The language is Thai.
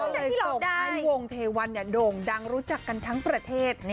ก็เลยส่งให้วงเทวันโด่งดังรู้จักกันทั้งประเทศ